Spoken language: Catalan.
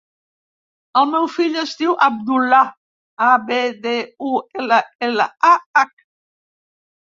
El meu fill es diu Abdullah: a, be, de, u, ela, ela, a, hac.